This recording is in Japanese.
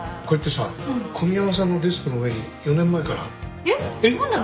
これってさ小宮山さんのデスクの上に４年前からある。